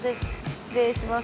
失礼します。